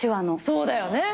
そうだよね！